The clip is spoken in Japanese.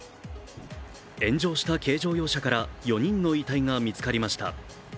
炎上した軽乗用車から４人の遺体が見つかりました。